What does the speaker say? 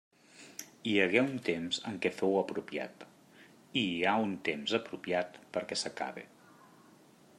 Hi hagué un temps en què fou apropiat, i hi ha un temps apropiat perquè s'acabe.